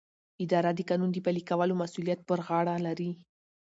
اداره د قانون د پلي کولو مسؤلیت پر غاړه لري.